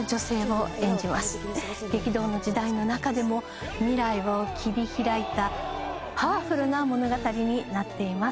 激動の時代の中でも未来を切り開いたパワフルな物語になっています。